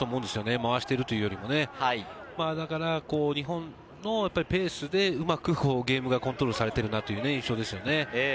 回しているというよりも、だから日本のペースでうまくゲームがコントロールされているなという印象です。